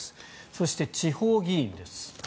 そして地方議員です。